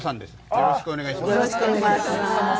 よろしくお願いします。